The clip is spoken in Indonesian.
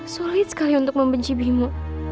sulit sekali untuk membenci bimo